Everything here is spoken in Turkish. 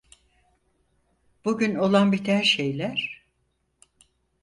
Bugün olan biten şeyler?